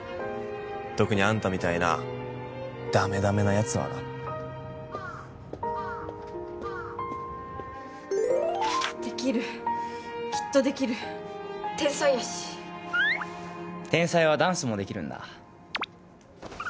特にあんたみたいなダメダメなヤツはなできるきっとできる天才やし天才はダンスもできるんだ？